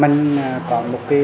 mình có một cái